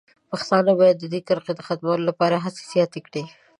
پښتانه باید د دې کرښې د ختمولو لپاره هڅې زیاتې کړي.